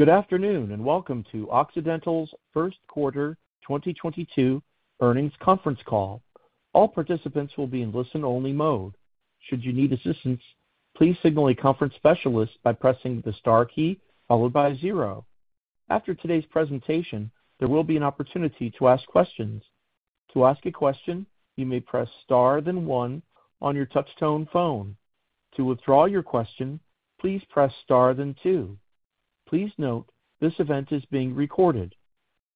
Good afternoon, and welcome to Occidental's first quarter 2022 earnings conference call. All participants will be in listen-only mode. Should you need assistance, please signal a conference specialist by pressing the star key followed by zero. After today's presentation, there will be an opportunity to ask questions. To ask a question, you may press star, then one on your touchtone phone. To withdraw your question, please press star, then two. Please note this event is being recorded.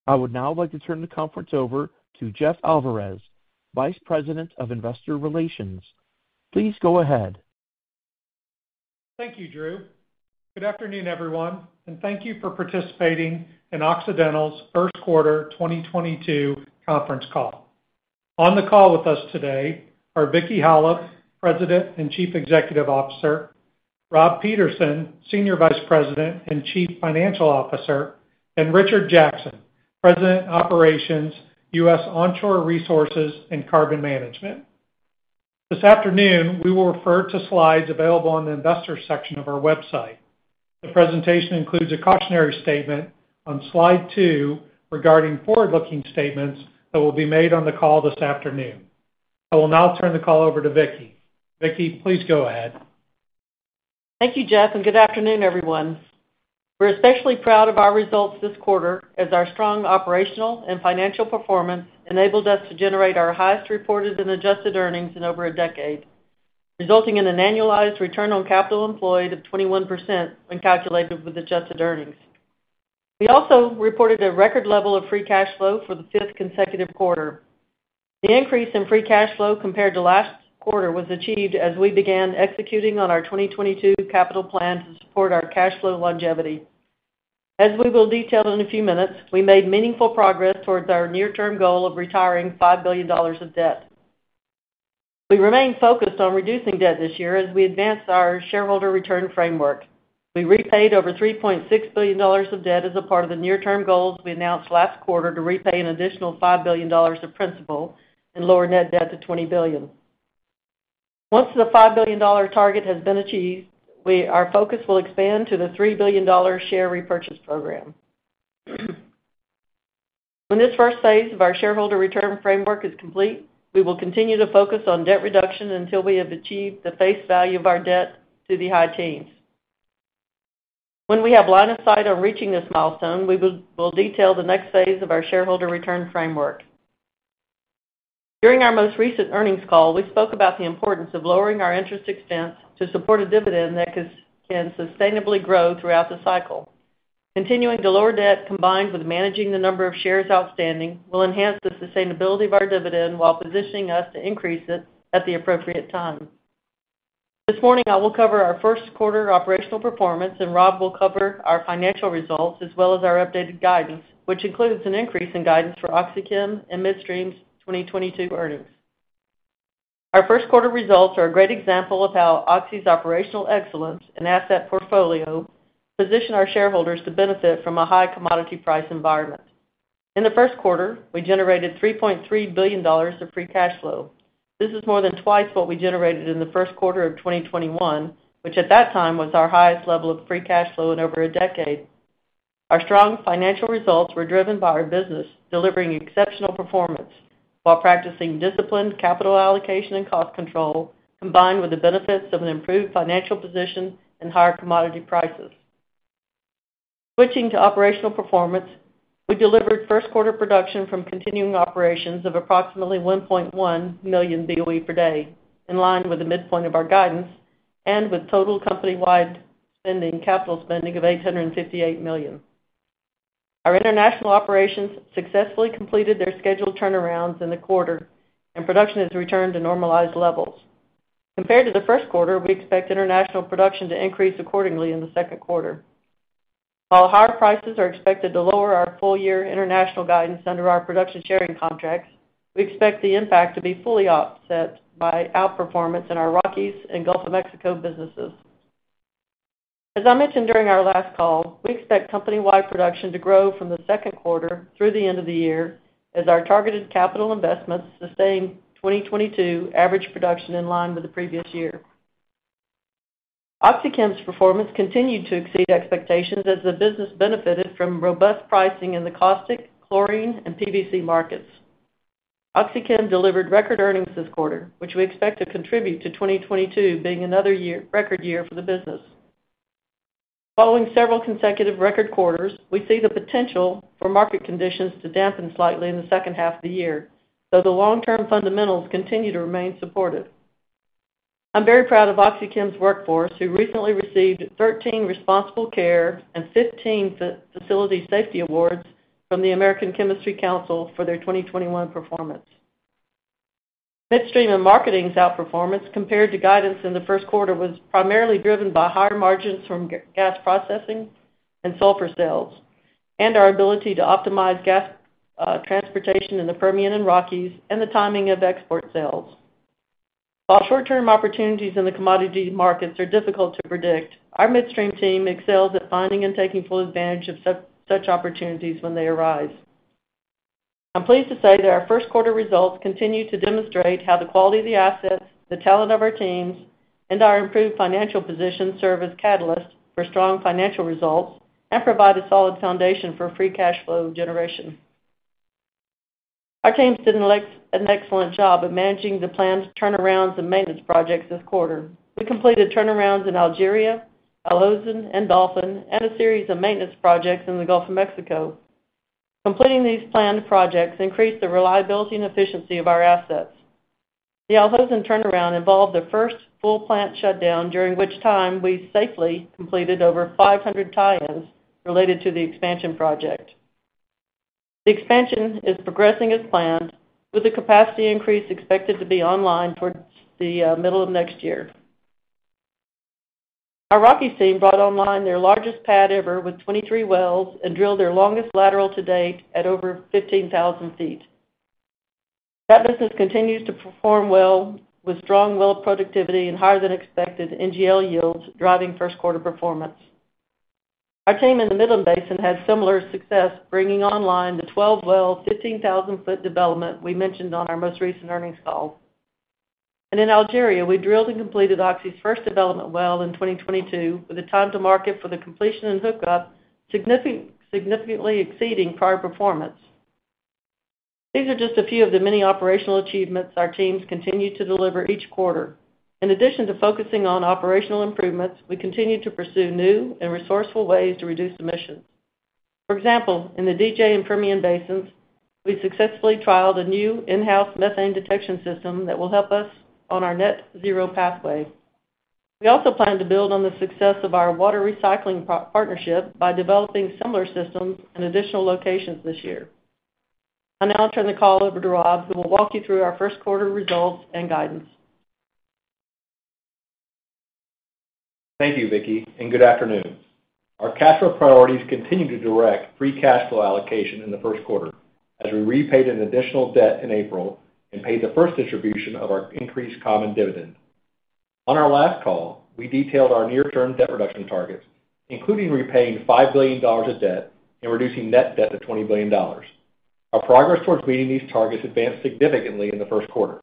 I would now like to turn the conference over to Jeff Alvarez, Vice President of Investor Relations. Please go ahead. Thank you, Drew. Good afternoon, everyone, and thank you for participating in Occidental's first quarter 2022 conference call. On the call with us today are Vicki Hollub, President and Chief Executive Officer, Rob Peterson, Senior Vice President and Chief Financial Officer, and Richard Jackson, President, Operations, US Onshore Resources and Carbon Management. This afternoon, we will refer to slides available on the investor section of our website. The presentation includes a cautionary statement on slide two regarding forward-looking statements that will be made on the call this afternoon. I will now turn the call over to Vicki. Vicki, please go ahead. Thank you, Jeff, and good afternoon, everyone. We're especially proud of our results this quarter as our strong operational and financial performance enabled us to generate our highest reported and adjusted earnings in over a decade, resulting in an annualized return on capital employed of 21% when calculated with adjusted earnings. We also reported a record level of free cash flow for the fifth consecutive quarter. The increase in free cash flow compared to last quarter was achieved as we began executing on our 2022 capital plan to support our cash flow longevity. As we will detail in a few minutes, we made meaningful progress towards our near-term goal of retiring $5 billion of debt. We remain focused on reducing debt this year as we advance our shareholder return framework. We repaid over $3.6 billion of debt as a part of the near-term goals we announced last quarter to repay an additional $5 billion of principal and lower net debt to $20 billion. Once the $5 billion target has been achieved, our focus will expand to the $3 billion share repurchase program. When this first phase of our shareholder return framework is complete, we will continue to focus on debt reduction until we have achieved the face value of our debt to the high teens. When we have line of sight on reaching this milestone, we'll detail the next phase of our shareholder return framework. During our most recent earnings call, we spoke about the importance of lowering our interest expense to support a dividend that can sustainably grow throughout the cycle. Continuing to lower debt combined with managing the number of shares outstanding will enhance the sustainability of our dividend while positioning us to increase it at the appropriate time. This morning, I will cover our first quarter operational performance, and Rob will cover our financial results as well as our updated guidance, which includes an increase in guidance for OxyChem and Midstream's 2022 earnings. Our first quarter results are a great example of how Oxy's operational excellence and asset portfolio position our shareholders to benefit from a high commodity price environment. In the first quarter, we generated $3.3 billion of free cash flow. This is more than twice what we generated in the first quarter of 2021, which at that time was our highest level of free cash flow in over a decade. Our strong financial results were driven by our business delivering exceptional performance while practicing disciplined capital allocation and cost control, combined with the benefits of an improved financial position and higher commodity prices. Switching to operational performance, we delivered first quarter production from continuing operations of approximately 1.1 million BOE per day, in line with the midpoint of our guidance and with total company-wide spending, capital spending of $858 million. Our international operations successfully completed their scheduled turnarounds in the quarter, and production has returned to normalized levels. Compared to the first quarter, we expect international production to increase accordingly in the second quarter. While higher prices are expected to lower our full-year international guidance under our production sharing contracts, we expect the impact to be fully offset by outperformance in our Rockies and Gulf of Mexico businesses. As I mentioned during our last call, we expect company-wide production to grow from the second quarter through the end of the year as our targeted capital investments sustain 2022 average production in line with the previous year. OxyChem's performance continued to exceed expectations as the business benefited from robust pricing in the caustic, chlorine, and PVC markets. OxyChem delivered record earnings this quarter, which we expect to contribute to 2022 being another record year for the business. Following several consecutive record quarters, we see the potential for market conditions to dampen slightly in the second half of the year, though the long-term fundamentals continue to remain supportive. I'm very proud of OxyChem's workforce, who recently received 13 Responsible Care and 15 facility safety awards from the American Chemistry Council for their 2021 performance. Midstream and Marketing's outperformance compared to guidance in the first quarter was primarily driven by higher margins from gas processing and sulfur sales, and our ability to optimize gas transportation in the Permian and Rockies and the timing of export sales. While short-term opportunities in the commodity markets are difficult to predict, our midstream team excels at finding and taking full advantage of such opportunities when they arise. I'm pleased to say that our first quarter results continue to demonstrate how the quality of the assets, the talent of our teams, and our improved financial position serve as catalysts for strong financial results and provide a solid foundation for free cash flow generation. Our teams did an excellent job of managing the planned turnarounds and maintenance projects this quarter. We completed turnarounds in Algeria, Al Hosn, and Dolphin, and a series of maintenance projects in the Gulf of Mexico. Completing these planned projects increased the reliability and efficiency of our assets. The Al Hosn turnaround involved the first full plant shutdown, during which time we safely completed over 500 tie-ins related to the expansion project. The expansion is progressing as planned, with the capacity increase expected to be online towards the middle of next year. Our Rocky team brought online their largest pad ever with 23 wells and drilled their longest lateral to date at over 15,000 feet. That business continues to perform well with strong well productivity and higher than expected NGL yields driving first quarter performance. Our team in the Midland Basin had similar success, bringing online the 12-well, 15,000-foot development we mentioned on our most recent earnings call. In Algeria, we drilled and completed Oxy's first development well in 2022, with the time to market for the completion and hookup significantly exceeding prior performance. These are just a few of the many operational achievements our teams continue to deliver each quarter. In addition to focusing on operational improvements, we continue to pursue new and resourceful ways to reduce emissions. For example, in the DJ and Permian Basins, we successfully trialed a new in-house methane detection system that will help us on our net zero pathway. We also plan to build on the success of our water recycling partnership by developing similar systems in additional locations this year. I'll now turn the call over to Rob, who will walk you through our first quarter results and guidance. Thank you, Vicki, and good afternoon. Our cash flow priorities continued to direct free cash flow allocation in the first quarter as we repaid an additional debt in April and paid the first distribution of our increased common dividend. On our last call, we detailed our near-term debt reduction targets, including repaying $5 billion of debt and reducing net debt to $20 billion. Our progress towards meeting these targets advanced significantly in the first quarter.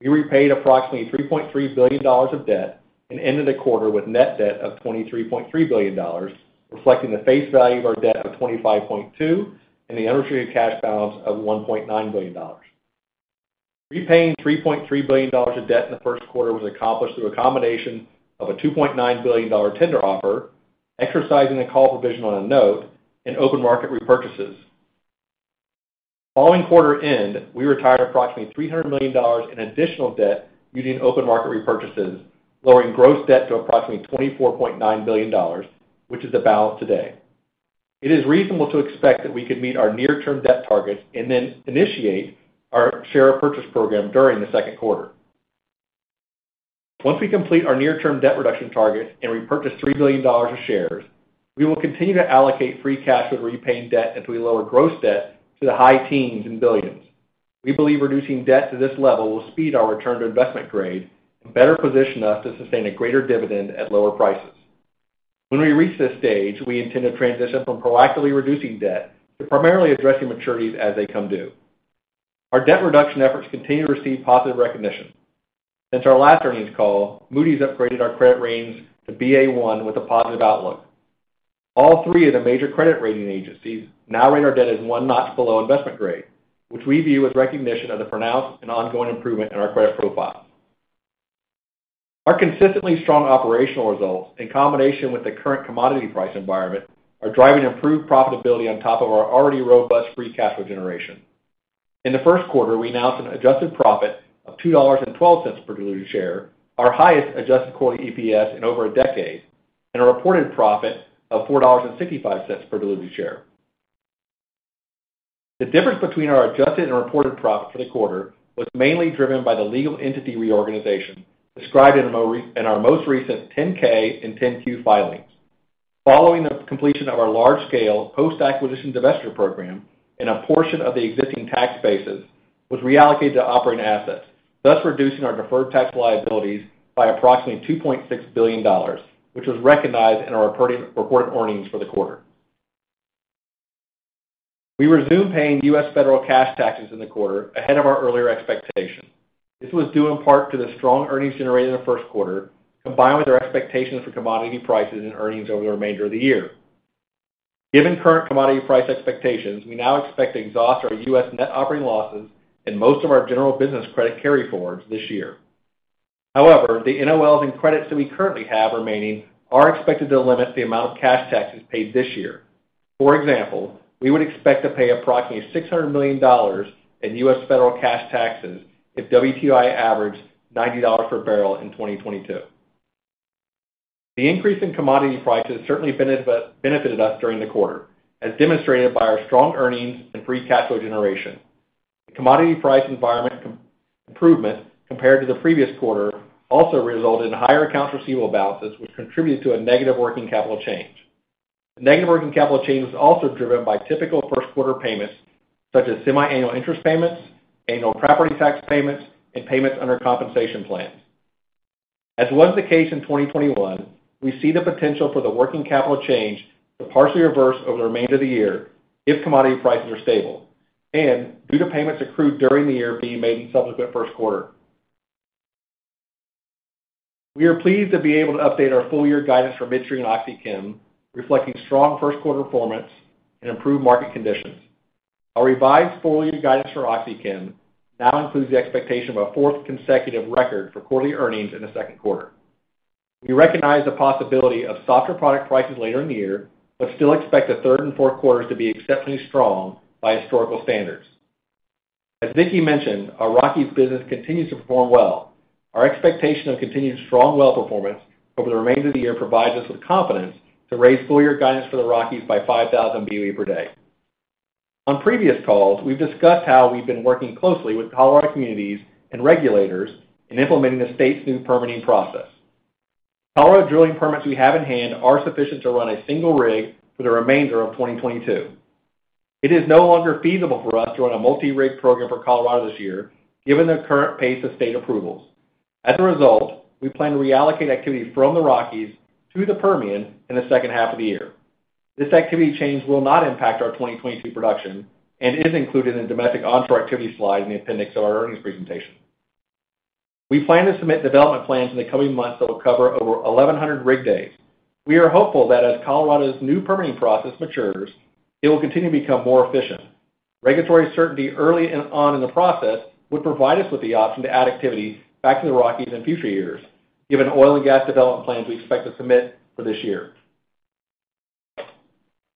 We repaid approximately $3.3 billion of debt and ended the quarter with net debt of $23.3 billion, reflecting the face value of our debt of $25.2 billion and the unrestricted cash balance of $1.9 billion. Repaying $3.3 billion of debt in the first quarter was accomplished through a combination of a $2.9 billion tender offer, exercising a call provision on a note, and open market repurchases. Following quarter end, we retired approximately $300 million in additional debt using open market repurchases, lowering gross debt to approximately $24.9 billion, which is the balance today. It is reasonable to expect that we could meet our near-term debt targets and then initiate our share purchase program during the second quarter. Once we complete our near-term debt reduction target and repurchase $3 billion of shares, we will continue to allocate free cash toward repaying debt until we lower gross debt to the high teens in billions. We believe reducing debt to this level will speed our return to investment grade and better position us to sustain a greater dividend at lower prices. When we reach this stage, we intend to transition from proactively reducing debt to primarily addressing maturities as they come due. Our debt reduction efforts continue to receive positive recognition. Since our last earnings call, Moody's upgraded our credit ratings to Ba1 with a positive outlook. All three of the major credit rating agencies now rate our debt as one notch below investment grade, which we view as recognition of the pronounced and ongoing improvement in our credit profile. Our consistently strong operational results, in combination with the current commodity price environment, are driving improved profitability on top of our already robust free cash flow generation. In the first quarter, we announced an adjusted profit of $2.12 per diluted share, our highest adjusted quarterly EPS in over a decade, and a reported profit of $4.65 per diluted share. The difference between our adjusted and reported profit for the quarter was mainly driven by the legal entity reorganization described in our most recent 10-K and 10-Q filings. Following the completion of our large-scale post-acquisition divestiture program and a portion of the existing tax bases was reallocated to operating assets, thus reducing our deferred tax liabilities by approximately $2.6 billion, which was recognized in our reported earnings for the quarter. We resumed paying U.S. federal cash taxes in the quarter ahead of our earlier expectation. This was due in part to the strong earnings generated in the first quarter, combined with our expectations for commodity prices and earnings over the remainder of the year. Given current commodity price expectations, we now expect to exhaust our U.S. net operating losses and most of our general business credit carryforwards this year. However, the NOLs and credits that we currently have remaining are expected to limit the amount of cash taxes paid this year. For example, we would expect to pay approximately $600 million in U.S. federal cash taxes if WTI averaged $90 per barrel in 2022. The increase in commodity prices certainly benefited us during the quarter, as demonstrated by our strong earnings and free cash flow generation. The commodity price environment improvement compared to the previous quarter also resulted in higher accounts receivable balances, which contributed to a negative working capital change. The negative working capital change was also driven by typical first quarter payments, such as semiannual interest payments, annual property tax payments, and payments under compensation plans. As was the case in 2021, we see the potential for the working capital change to partially reverse over the remainder of the year if commodity prices are stable and due to payments accrued during the year being made in subsequent first quarter. We are pleased to be able to update our full-year guidance for Midstream and OxyChem, reflecting strong first quarter performance and improved market conditions. Our revised full-year guidance for OxyChem now includes the expectation of a fourth consecutive record for quarterly earnings in the second quarter. We recognize the possibility of softer product prices later in the year, but still expect the third and fourth quarters to be exceptionally strong by historical standards. As Vicki mentioned, our Rockies business continues to perform well. Our expectation of continued strong well performance over the remainder of the year provides us with confidence to raise full-year guidance for the Rockies by 5,000 BOE per day. On previous calls, we've discussed how we've been working closely with Colorado communities and regulators in implementing the state's new permitting process. Colorado drilling permits we have in hand are sufficient to run a single rig for the remainder of 2022. It is no longer feasible for us to run a multi-rig program for Colorado this year, given the current pace of state approvals. As a result, we plan to reallocate activity from the Rockies to the Permian in the second half of the year. This activity change will not impact our 2022 production and is included in domestic onshore activity slide in the appendix of our earnings presentation. We plan to submit development plans in the coming months that will cover over 1,100 rig days. We are hopeful that as Colorado's new permitting process matures, it will continue to become more efficient. Regulatory certainty early on in the process would provide us with the option to add activity back to the Rockies in future years, given oil and gas development plans we expect to submit for this year.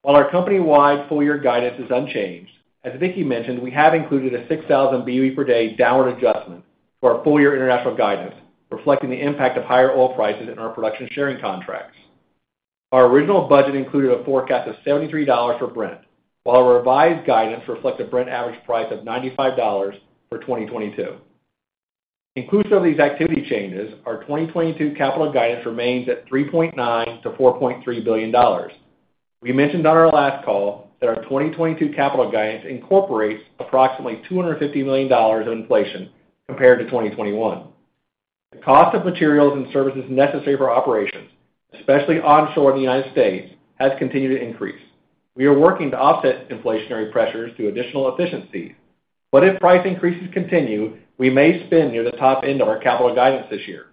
While our company-wide full-year guidance is unchanged, as Vicki mentioned, we have included a 6,000 BOE per day downward adjustment to our full-year international guidance, reflecting the impact of higher oil prices in our production sharing contracts. Our original budget included a forecast of $73 for Brent, while our revised guidance reflects a Brent average price of $95 for 2022. Inclusive of these activity changes, our 2022 capital guidance remains at $3.9-4.3 billion. We mentioned on our last call that our 2022 capital guidance incorporates approximately $250 million of inflation compared to 2021. The cost of materials and services necessary for operations, especially onshore in the United States, has continued to increase. We are working to offset inflationary pressures through additional efficiencies, but if price increases continue, we may spend near the top end of our capital guidance this year.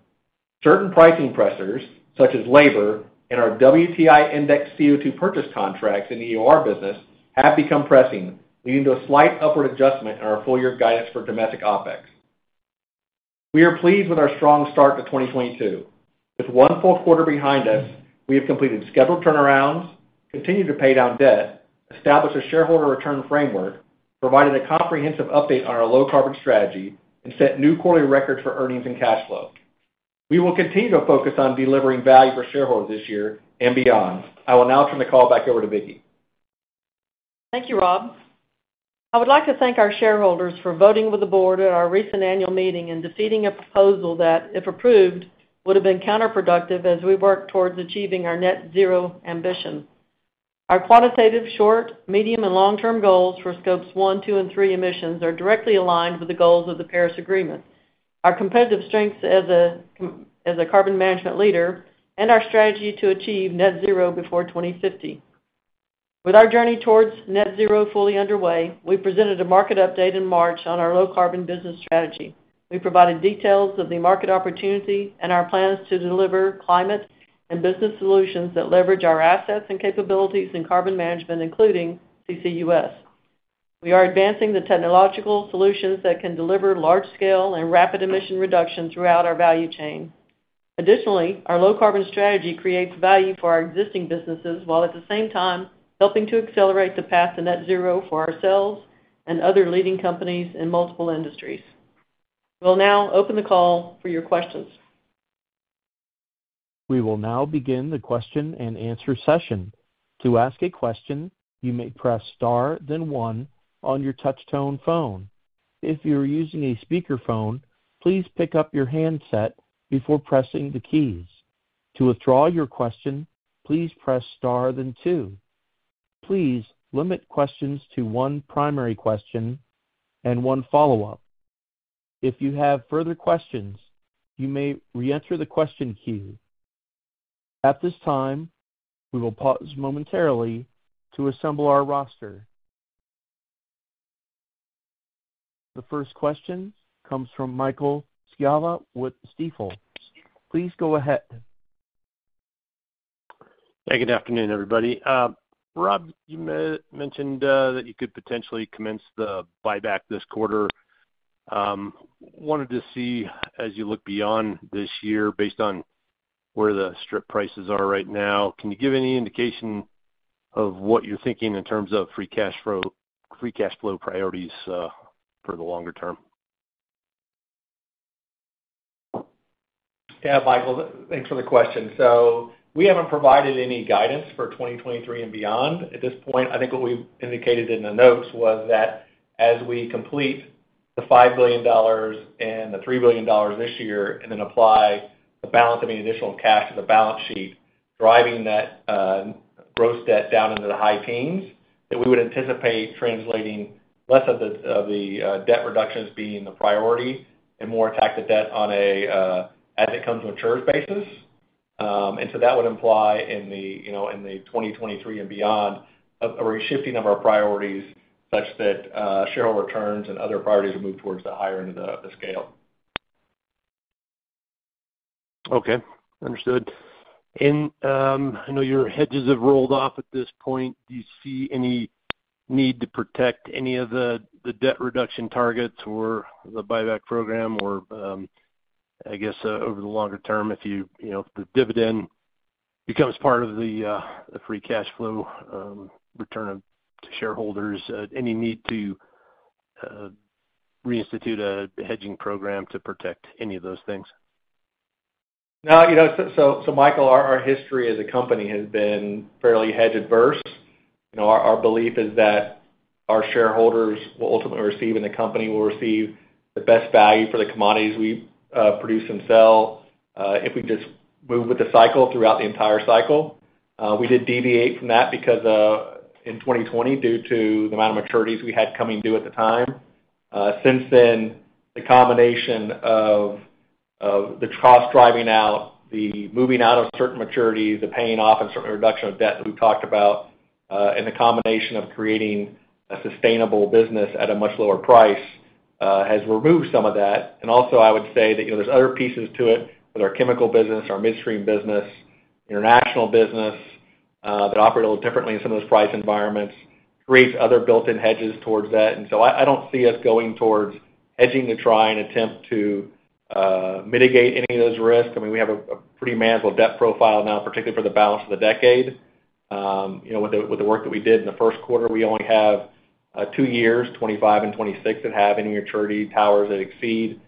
Certain pricing pressures, such as labor and our WTI indexed CO2 purchase contracts in the EOR business, have become pressing, leading to a slight upward adjustment in our full-year guidance for domestic OpEx. We are pleased with our strong start to 2022. With one full-quarter behind us, we have completed scheduled turnarounds, continued to pay down debt, established a shareholder return framework, providing a comprehensive update on our low carbon strategy, and set new quarterly records for earnings and cash flow. We will continue to focus on delivering value for shareholders this year and beyond. I will now turn the call back over to Vicki. Thank you, Rob. I would like to thank our shareholders for voting with the board at our recent annual meeting and defeating a proposal that, if approved, would have been counterproductive as we work towards achieving our net zero ambition. Our quantitative short, medium, and long-term goals for scopes one, two, and three emissions are directly aligned with the goals of the Paris Agreement, our competitive strengths as a carbon management leader, and our strategy to achieve net zero before 2050. With our journey towards net zero fully underway, we presented a market update in March on our low-carbon business strategy. We provided details of the market opportunity and our plans to deliver climate and business solutions that leverage our assets and capabilities in carbon management, including CCUS. We are advancing the technological solutions that can deliver large scale and rapid emission reduction throughout our value chain. Additionally, our low-carbon strategy creates value for our existing businesses, while at the same time helping to accelerate the path to net zero for ourselves and other leading companies in multiple industries. We'll now open the call for your questions. We will now begin the question-and-answer session. To ask a question, you may press star then one on your touch tone phone. If you are using a speakerphone, please pick up your handset before pressing the keys. To withdraw your question, please press star then two. Please limit questions to one primary question and one follow-up. If you have further questions, you may reenter the question queue. At this time, we will pause momentarily to assemble our roster. The first question comes from Michael Scialla with Stifel. Please go ahead. Yeah, good afternoon, everybody. Rob, you mentioned that you could potentially commence the buyback this quarter. Wanted to see as you look beyond this year based on where the strip prices are right now, can you give any indication of what you're thinking in terms of free cash flow, free cash flow priorities, for the longer term? Yeah, Michael, thanks for the question. We haven't provided any guidance for 2023 and beyond. At this point, I think what we indicated in the notes was that as we complete the $5 billion and the $3 billion this year and then apply the balance of any additional cash to the balance sheet, driving that gross debt down into the high teens, that we would anticipate translating less of the debt reductions being the priority and more attacking the debt on a as it comes matures basis. That would imply in the you know in the 2023 and beyond, a shifting of our priorities such that shareholder returns and other priorities are moved towards the higher end of the scale. Okay. Understood. I know your hedges have rolled off at this point. Do you see any need to protect any of the debt reduction targets or the buyback program or, I guess, over the longer term, if you know the dividend becomes part of the free cash flow return to shareholders, any need to reinstitute a hedging program to protect any of those things? No. You know, Michael, our history as a company has been fairly hedge-averse. You know, our belief is that our shareholders will ultimately receive, and the company will receive the best value for the commodities we produce and sell, if we just move with the cycle throughout the entire cycle. We did deviate from that because in 2020, due to the amount of maturities we had coming due at the time. Since then, the combination of the cost driving out, the moving out of certain maturities, the paying off and certain reduction of debt that we've talked about, and the combination of creating a sustainable business at a much lower price, has removed some of that. I would say that, you know, there's other pieces to it with our chemical business, our midstream business, international business, that operate a little differently in some of those price environments, creates other built-in hedges towards that. I don't see us going towards hedging to try and attempt to mitigate any of those risks. I mean, we have a pretty manageable debt profile now, particularly for the balance of the decade. You know, with the work that we did in the first quarter, we only have two years, 25 and 26, that have any maturity towers that exceed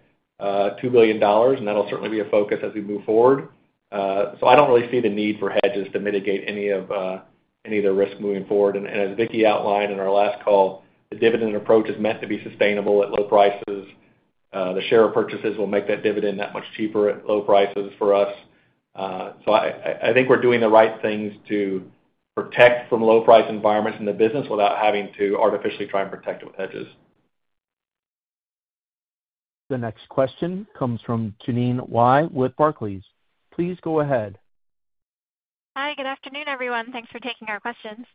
$2 billion, and that'll certainly be a focus as we move forward. I don't really see the need for hedges to mitigate any of the risks moving forward. as Vicki outlined in our last call, the dividend approach is meant to be sustainable at low prices. The share purchases will make that dividend that much cheaper at low prices for us. I think we're doing the right things to protect from low price environments in the business without having to artificially try and protect it with hedges. The next question comes from Jeanine Wai with Barclays. Please go ahead. Hi. Good afternoon, everyone. Thanks for taking our questions.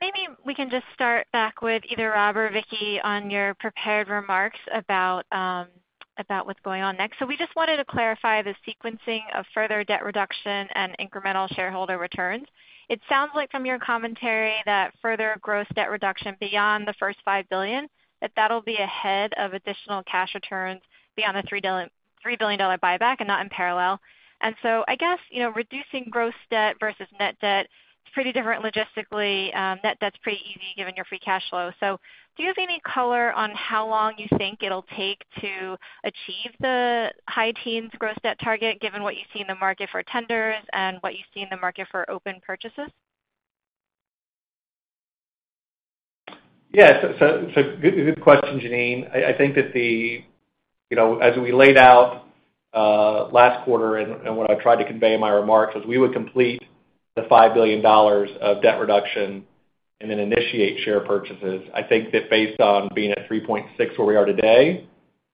Maybe we can just start back with either Rob or Vicki on your prepared remarks about what's going on next. We just wanted to clarify the sequencing of further debt reduction and incremental shareholder returns. It sounds like from your commentary that further gross debt reduction beyond the first $5 billion, that'll be ahead of additional cash returns beyond the $3 billion buyback and not in parallel. I guess, you know, reducing gross debt versus net debt is pretty different logistically. Net-net's pretty easy given your free cash flow. Do you have any color on how long you think it'll take to achieve the high teens gross debt target, given what you see in the market for tenders and what you see in the market for open purchases? Good question, Jeanine. I think that, you know, as we laid out last quarter and what I tried to convey in my remarks was we would complete $5 billion of debt reduction and then initiate share purchases. I think that based on being at 3.6 where we are today,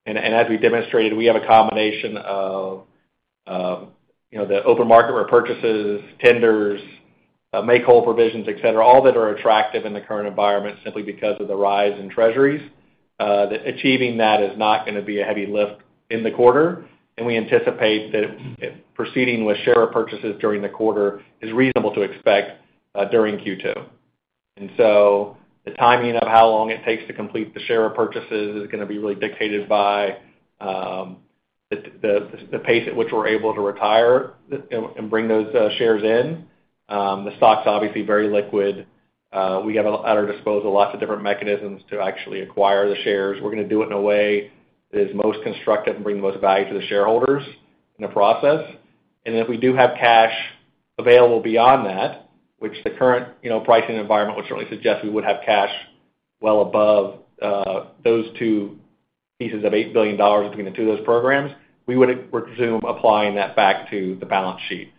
and as we demonstrated, we have a combination of, you know, the open market repurchases, tenders, make-whole provisions, et cetera, all that are attractive in the current environment simply because of the rise in Treasuries, that achieving that is not gonna be a heavy lift in the quarter. We anticipate that proceeding with share purchases during the quarter is reasonable to expect during Q2. The timing of how long it takes to complete the share purchases is gonna be really dictated by the pace at which we're able to retire and bring those shares in. The stock's obviously very liquid. We have at our disposal lots of different mechanisms to actually acquire the shares. We're gonna do it in a way that is most constructive and bring the most value to the shareholders in the process. If we do have cash available beyond that, which the current you know pricing environment would certainly suggest we would have cash well above those two pieces of $8 billion between the two of those programs, we presume applying that back to the balance sheet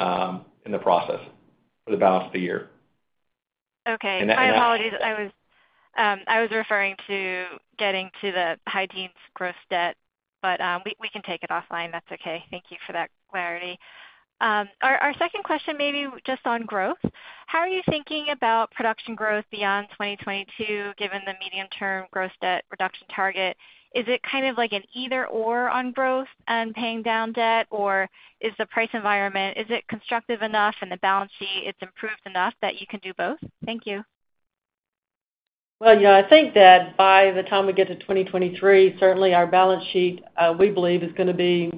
in the process for the balance of the year. Okay. And that- My apologies. I was referring to getting to the high teens gross debt, but we can take it offline. That's okay. Thank you for that clarity. Our second question maybe just on growth. How are you thinking about production growth beyond 2022, given the medium-term gross debt reduction target? Is it kind of like an either/or on growth and paying down debt? Or is the price environment constructive enough and the balance sheet improved enough that you can do both? Thank you. Well, you know, I think that by the time we get to 2023, certainly our balance sheet, we believe is gonna be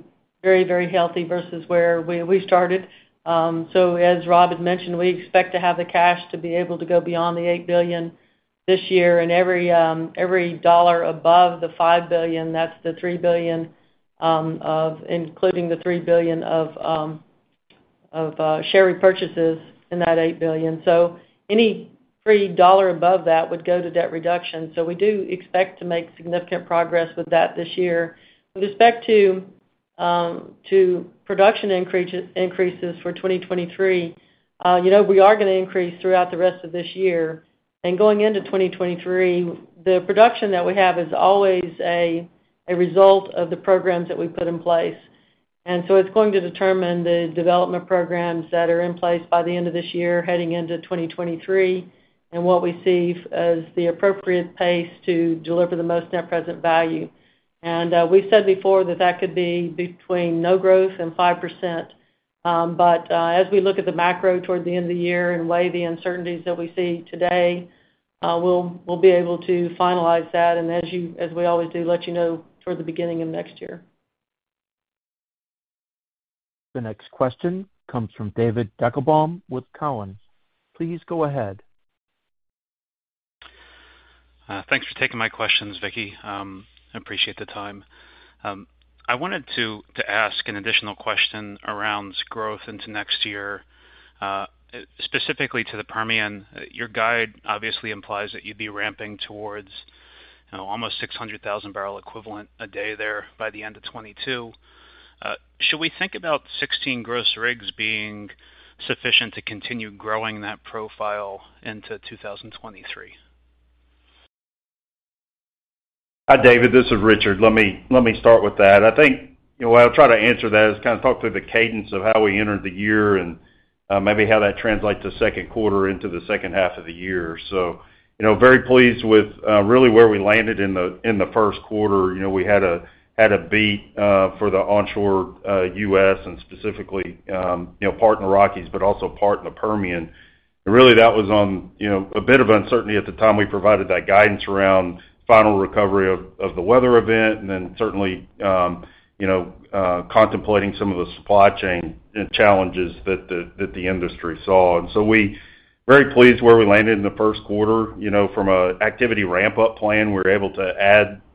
very, very healthy versus where we started. So as Rob had mentioned, we expect to have the cash to be able to go beyond the $8 billion this year and every dollar above the $5 billion, that's the $3 billion of including the $3 billion of. Of share repurchases in that $8 billion. Any free cash above that would go to debt reduction. We do expect to make significant progress with that this year. With respect to production increases for 2023, we are gonna increase throughout the rest of this year. Going into 2023, the production that we have is always a result of the programs that we've put in place. It's going to determine the development programs that are in place by the end of this year heading into 2023, and what we see as the appropriate pace to deliver the most net present value. We've said before that that could be between no growth and 5%. As we look at the macro toward the end of the year and weigh the uncertainties that we see today, we'll be able to finalize that, and as we always do, let you know toward the beginning of next year. The next question comes from David Deckelbaum with Cowen. Please go ahead. Thanks for taking my questions, Vicki. Appreciate the time. I wanted to ask an additional question around growth into next year, specifically to the Permian. Your guide obviously implies that you'd be ramping towards, you know, almost 600,000 barrel equivalent a day there by the end of 2022. Should we think about 16 gross rigs being sufficient to continue growing that profile into 2023? Hi, David, this is Richard. Let me start with that. I think, you know, what I'll try to answer that is kind of talk through the cadence of how we entered the year and, maybe how that translates to second quarter into the second half of the year. You know, very pleased with, really where we landed in the, in the first quarter. You know, we had a beat, for the onshore U.S. and specifically, you know, part in the Rockies, but also part in the Permian. Really that was on, you know, a bit of uncertainty at the time we provided that guidance around final recovery of the weather event, and then certainly, you know, contemplating some of the supply chain challenges that the industry saw. We were very pleased where we landed in the first quarter, you know, from an activity ramp-up plan. We were able to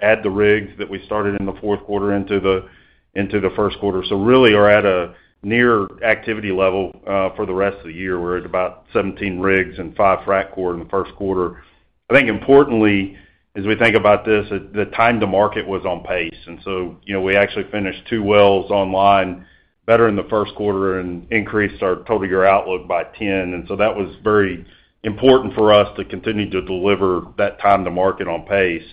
add the rigs that we started in the fourth quarter into the first quarter. We really are at a near activity level for the rest of the year. We're at about 17 rigs and five frac crews in the first quarter. I think importantly, as we think about this, the time to market was on pace, and so, you know, we actually finished two wells online better in the first quarter and increased our total year outlook by 10. That was very important for us to continue to deliver that time to market on pace.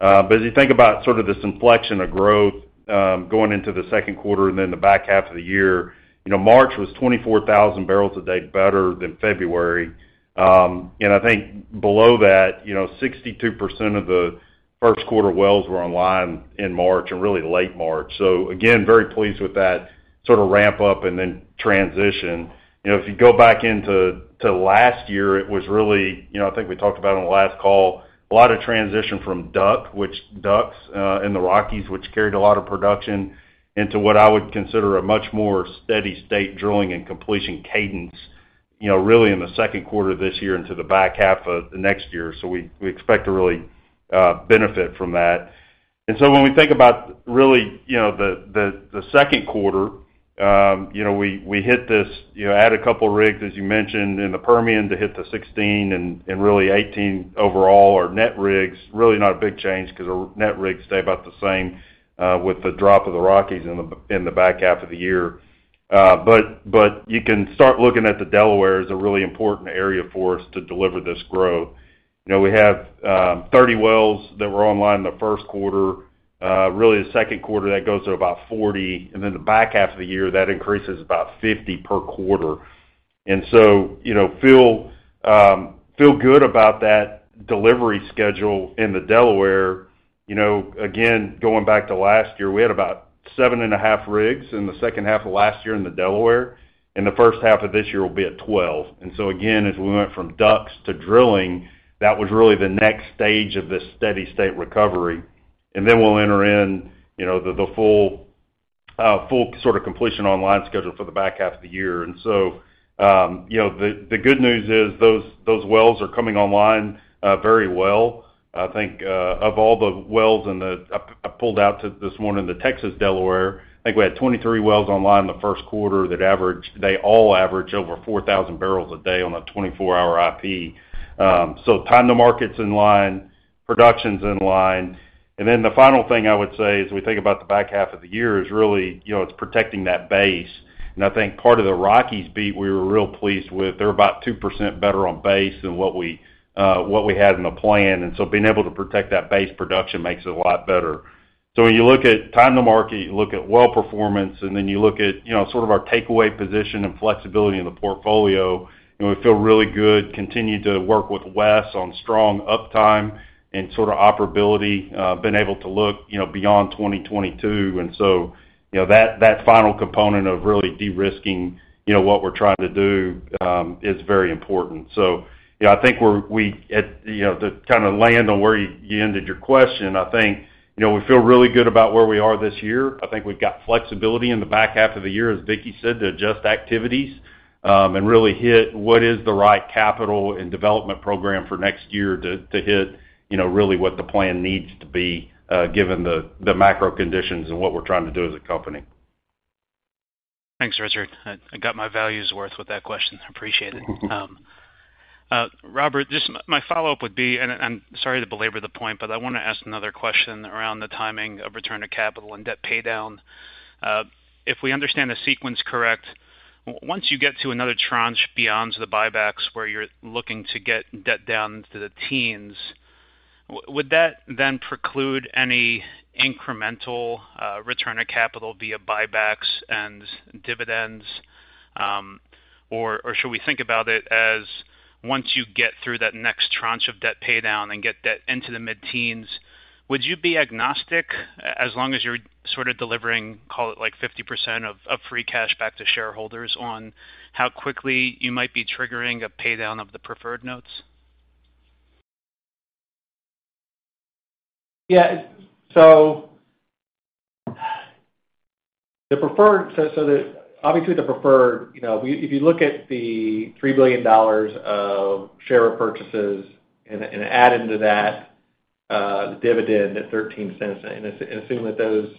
As you think about sort of this inflection of growth, going into the second quarter and then the back half of the year, you know, March was 24,000 barrels a day better than February. I think below that, you know, 62% of the first quarter wells were online in March and really late March. Again, very pleased with that sort of ramp up and then transition. You know, if you go back into last year, it was really, you know, I think we talked about on the last call, a lot of transition from DUCs in the Rockies, which carried a lot of production, into what I would consider a much more steady state drilling and completion cadence, you know, really in the second quarter of this year into the back half of the next year. We expect to really benefit from that. When we think about really, you know, the second quarter, you know, we hit this, you know, add a couple rigs, as you mentioned, in the Permian to hit the 16 and really 18 overall or net rigs. Really not a big change because our net rigs stay about the same with the drop of the Rockies in the back half of the year. You can start looking at the Delaware as a really important area for us to deliver this growth. You know, we have 30 wells that were online in the first quarter. Really the second quarter, that goes to about 40. Then the back half of the year, that increases about 50 per quarter. You know, feel good about that delivery schedule in the Delaware. You know, again, going back to last year, we had about 7.5 rigs in the second half of last year in the Delaware, and the first half of this year will be at 12. Again, as we went from DUCs to drilling, that was really the next stage of this steady state recovery. Then we'll enter in, you know, the full sort of completion online schedule for the back half of the year. You know, the good news is those wells are coming online very well. I think of all the wells I pulled up to this morning, the Texas Delaware, I think we had 23 wells online in the first quarter that averaged—they all averaged over 4,000 barrels a day on a 24-hour IP. Time to market's in line, production's in line. Then the final thing I would say, as we think about the back half of the year, is really, you know, it's protecting that base. I think part of the Rockies beat we were real pleased with. They're about 2% better on base than what we had in the plan. Being able to protect that base production makes it a lot better. When you look at time to market, you look at well performance, and then you look at, you know, sort of our takeaway position and flexibility in the portfolio, and we feel really good, continue to work with Wes on strong uptime and sort of operability, been able to look, you know, beyond 2022. You know, that final component of really de-risking, you know, what we're trying to do, is very important. You know, I think we're at, you know, to kind of land on where you ended your question, I think, you know, we feel really good about where we are this year. I think we've got flexibility in the back half of the year, as Vicki said, to adjust activities. Really hit what is the right capital and development program for next year to hit, you know, really what the plan needs to be, given the macro conditions and what we're trying to do as a company. Thanks, Richard. I got my value's worth with that question. Appreciate it. Rob, just my follow-up would be, and I'm sorry to belabor the point, but I wanna ask another question around the timing of return to capital and debt paydown. If we understand the sequence correct, once you get to another tranche beyond the buybacks where you're looking to get debt down to the teens, would that then preclude any incremental return to capital via buybacks and dividends? Or should we think about it as once you get through that next tranche of debt paydown and get debt into the mid-teens, would you be agnostic as long as you're sort of delivering, call it like 50% of free cash back to shareholders on how quickly you might be triggering a paydown of the preferred notes? Obviously, the preferred, you know, if you, if you look at the $3 billion of share repurchases and add into that, the dividend, the $0.13, and assume that those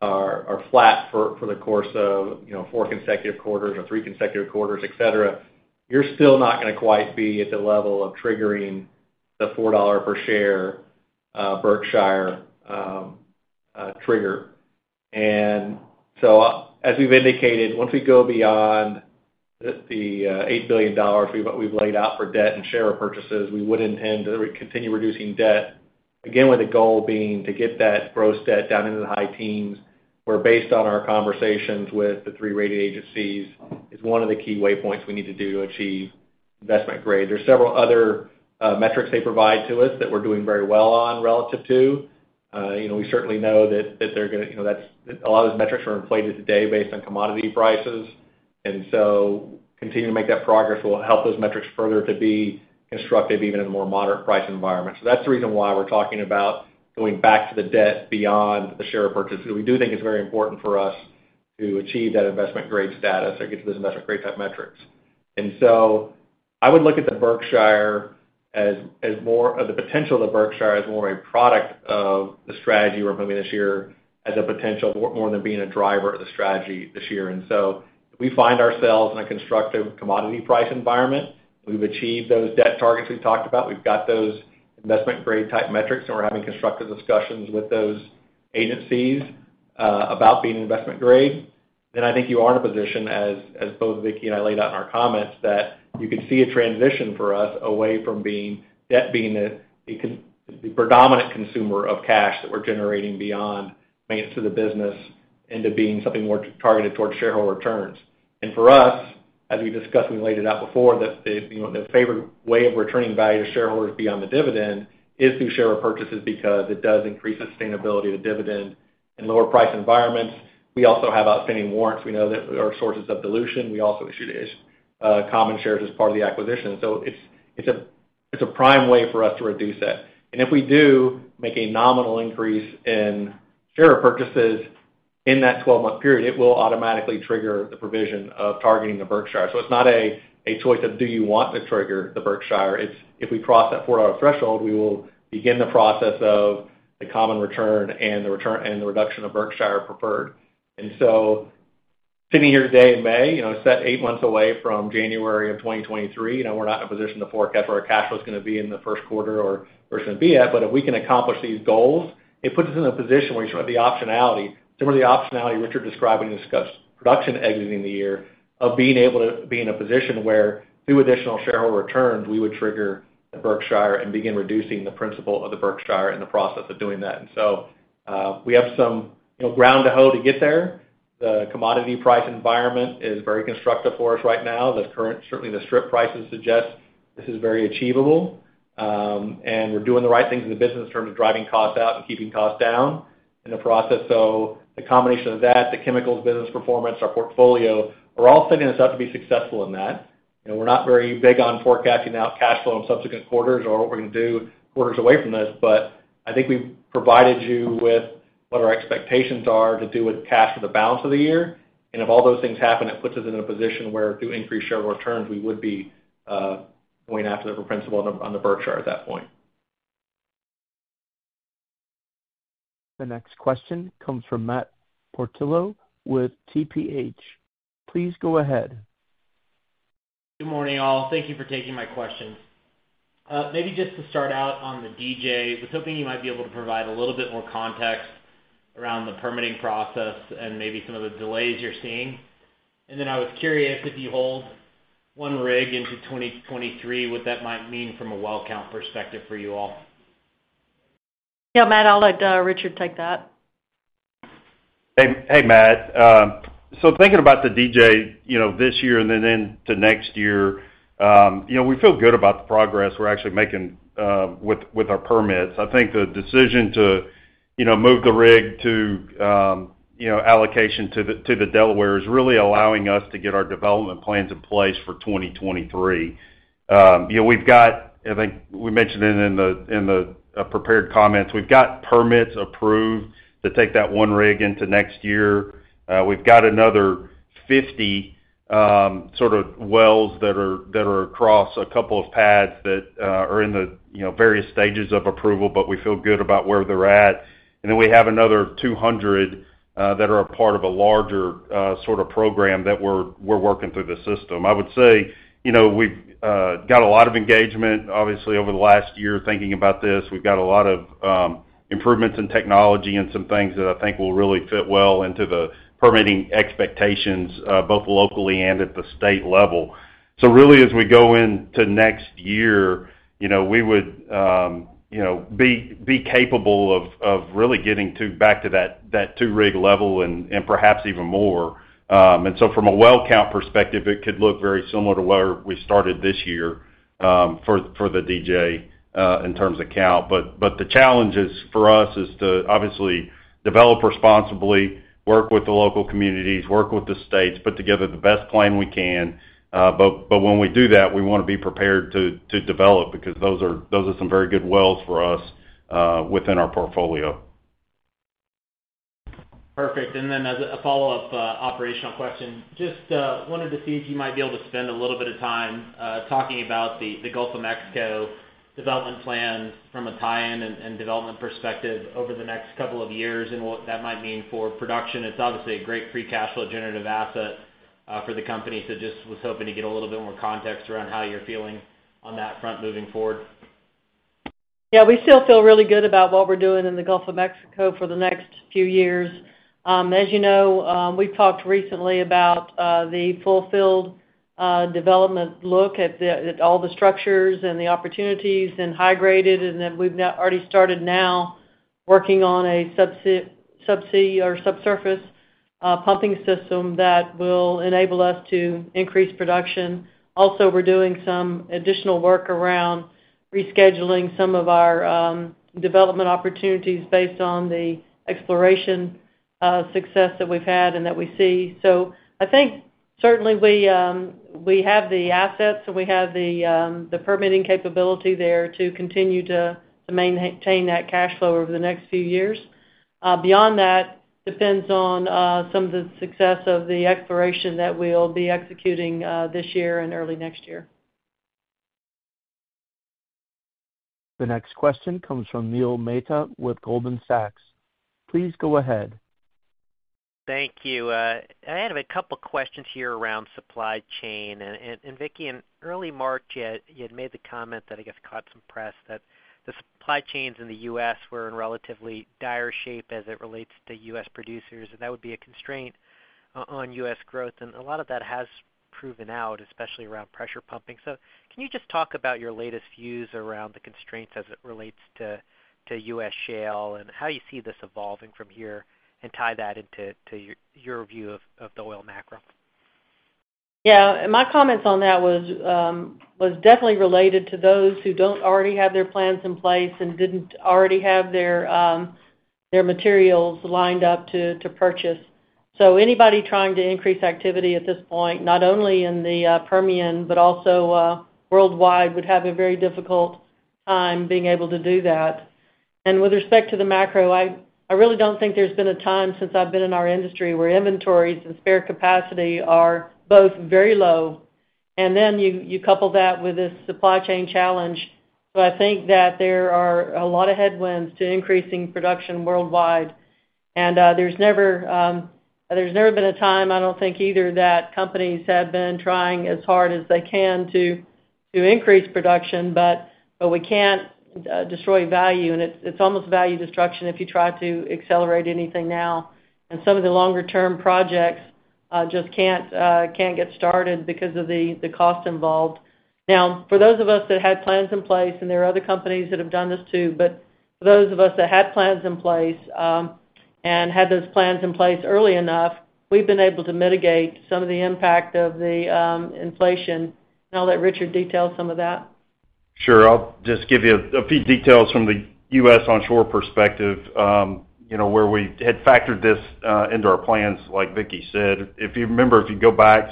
are flat for the course of, you know, four consecutive quarters or three consecutive quarters, et cetera, you're still not gonna quite be at the level of triggering the $4 per share Berkshire trigger. As we've indicated, once we go beyond the $8 billion we've laid out for debt and share repurchases, we would intend to continue reducing debt, again, with the goal being to get that gross debt down into the high teens, where based on our conversations with the three rating agencies, is one of the key waypoints we need to do to achieve investment grade. There are several other metrics they provide to us that we're doing very well on relative to. You know, we certainly know that they're gonna, you know, that's a lot of the metrics are inflated today based on commodity prices. Continuing to make that progress will help those metrics further to be instructive even in a more moderate price environment. That's the reason why we're talking about going back to the debt beyond the share repurchase, because we do think it's very important for us to achieve that investment grade status or get to those investment grade type metrics. I would look at the Berkshire as more or the potential of the Berkshire as more a product of the strategy we're moving this year as a potential more than being a driver of the strategy this year. If we find ourselves in a constructive commodity price environment, we've achieved those debt targets we've talked about. We've got those investment grade type metrics, and we're having constructive discussions with those agencies about being investment grade, then I think you are in a position, as both Vicki and I laid out in our comments, that you could see a transition for us away from debt being the predominant consumer of cash that we're generating beyond maintenance of the business into being something more targeted towards shareholder returns. For us, as we discussed and we laid it out before, the, you know, the favored way of returning value to shareholders beyond the dividend is through share repurchases because it does increase the sustainability of the dividend in lower price environments. We also have outstanding warrants. We know that there are sources of dilution. We also issued common shares as part of the acquisition. It's a prime way for us to reduce that. If we do make a nominal increase in share purchases in that 12-month period, it will automatically trigger the provision of targeting the Berkshire. It's not a choice of do you want to trigger the Berkshire. It's if we cross that $4 threshold, we will begin the process of the common return and the reduction of Berkshire preferred. Sitting here today in May, you know, about eight months away from January 2023, you know, we're not in a position to forecast where our cash flow is gonna be in the first quarter or where it's gonna be at. If we can accomplish these goals, it puts us in a position where you try the optionality, some of the optionality Richard described when he discussed production exiting the year, of being able to be in a position where through additional shareholder returns, we would trigger the Berkshire and begin reducing the principal of the Berkshire in the process of doing that. We have some, you know, ground to hold to get there. The commodity price environment is very constructive for us right now. Certainly, the strip prices suggest this is very achievable. We're doing the right things in the business in terms of driving costs out and keeping costs down in the process. The combination of that, the chemicals business performance, our portfolio are all setting us up to be successful in that. You know, we're not very big on forecasting out cash flow in subsequent quarters or what we're gonna do quarters away from this. I think we've provided you with what our expectations are to do with cash for the balance of the year. If all those things happen, it puts us in a position where through increased shareholder returns, we would be going after the principal on the Berkshire at that point. The next question comes from Matt Portillo with TPH. Please go ahead. Good morning, all. Thank you for taking my questions. Maybe just to start out on the DJ, I was hoping you might be able to provide a little bit more context around the permitting process and maybe some of the delays you're seeing. I was curious, if you hold one rig into 2023, what that might mean from a well count perspective for you all. Yeah, Matt, I'll let Richard take that. Hey, Matt Portillo. Thinking about the DJ, you know, this year and then into next year, you know, we feel good about the progress we're actually making with our permits. I think the decision to, you know, move the rig to allocation to the Delaware is really allowing us to get our development plans in place for 2023. I think we mentioned it in the prepared comments. We've got permits approved to take that one rig into next year. We've got another 50 sort of wells that are across a couple of pads that are in the, you know, various stages of approval, but we feel good about where they're at. We have another 200 that are a part of a larger sort of program that we're working through the system. I would say, you know, we've got a lot of engagement, obviously, over the last year thinking about this. We've got a lot of improvements in technology and some things that I think will really fit well into the permitting expectations both locally and at the state level. Really, as we go into next year, you know, we would you know be capable of really getting back to that 2-rig level and perhaps even more. From a well count perspective, it could look very similar to where we started this year for the DJ in terms of count. The challenge for us is to obviously develop responsibly, work with the local communities, work with the states, put together the best plan we can, but when we do that, we wanna be prepared to develop because those are some very good wells for us within our portfolio. Perfect. As a follow-up operational question, just wanted to see if you might be able to spend a little bit of time talking about the Gulf of Mexico development plan from a tie-in and development perspective over the next couple of years and what that might mean for production. It's obviously a great free cash flow generative asset for the company. Just was hoping to get a little bit more context around how you're feeling on that front moving forward. Yeah, we still feel really good about what we're doing in the Gulf of Mexico for the next few years. As you know, we've talked recently about the full field development look at all the structures and the opportunities and high-graded, and then we've already started working on a subsea or subsurface pumping system that will enable us to increase production. Also, we're doing some additional work around rescheduling some of our development opportunities based on the exploration success that we've had and that we see. I think certainly we have the assets, and we have the permitting capability there to continue to maintain that cash flow over the next few years. Beyond that, it depends on some of the success of the exploration that we'll be executing this year and early next year. The next question comes from Neil Mehta with Goldman Sachs. Please go ahead. Thank you. I have a couple questions here around supply chain. Vicki, in early March, you had made the comment that I guess caught some press that the supply chains in the U.S. were in relatively dire shape as it relates to U.S. producers, and that would be a constraint on U.S. growth. A lot of that has proven out, especially around pressure pumping. Can you just talk about your latest views around the constraints as it relates to U.S. shale and how you see this evolving from here and tie that into your view of the oil macro? Yeah. My comments on that was definitely related to those who don't already have their plans in place and didn't already have their materials lined up to purchase. Anybody trying to increase activity at this point, not only in the Permian, but also worldwide, would have a very difficult time being able to do that. With respect to the macro, I really don't think there's been a time since I've been in our industry where inventories and spare capacity are both very low. Then you couple that with this supply chain challenge. I think that there are a lot of headwinds to increasing production worldwide. There's never been a time, I don't think either that companies have been trying as hard as they can to increase production, but we can't destroy value. It's almost value destruction if you try to accelerate anything now. Some of the longer-term projects just can't get started because of the cost involved. Now, for those of us that had plans in place, and there are other companies that have done this, too. For those of us that had plans in place and had those plans in place early enough, we've been able to mitigate some of the impact of the inflation. I'll let Richard detail some of that. Sure. I'll just give you a few details from the U.S. onshore perspective, you know, where we had factored this into our plans, like Vicki said. If you remember, if you go back,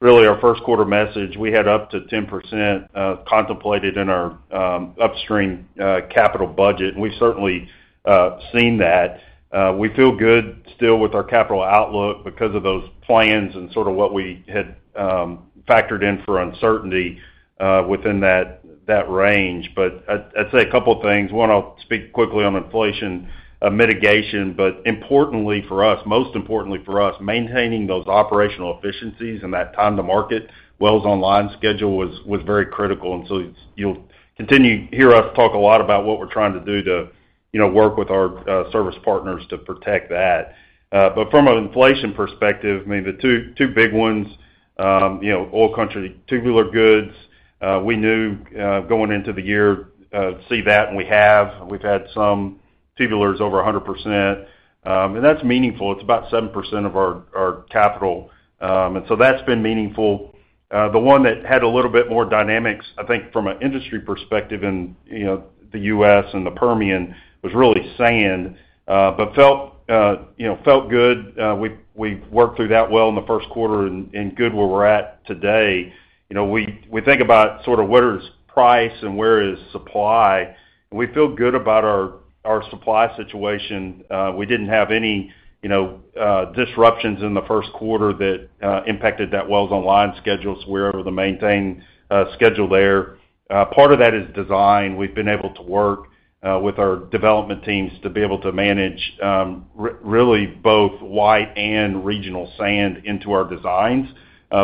really our first quarter message, we had up to 10% contemplated in our upstream capital budget, and we've certainly seen that. We feel good still with our capital outlook because of those plans and sort of what we had factored in for uncertainty within that range. I'd say a couple of things. One, I'll speak quickly on inflation mitigation, but importantly for us, most importantly for us, maintaining those operational efficiencies and that time to market wells online schedule was very critical. You'll continue to hear us talk a lot about what we're trying to do to, you know, work with our service partners to protect that. From an inflation perspective, I mean, the two big ones, you know, oil country tubular goods, we knew going into the year, and we have. We've had some tubulars over 100%, and that's meaningful. It's about 7% of our capital. That's been meaningful. The one that had a little bit more dynamics, I think from an industry perspective in, you know, the U.S. and the Permian was really sand, but felt good. We worked through that well in the first quarter and good where we're at today. You know, we think about sort of where is price and where is supply, and we feel good about our supply situation. We didn't have any, you know, disruptions in the first quarter that impacted those wells online schedules. We were able to maintain schedule there. Part of that is design. We've been able to work with our development teams to be able to manage really both white and regional sand into our designs